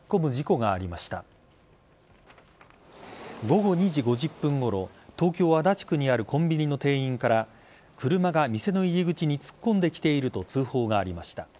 午後２時５０分ごろ東京・足立区にあるコンビニの店員から車が店の入り口に突っ込んできていると通報がありました。